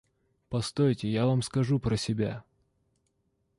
Постойте, я вам скажу про себя.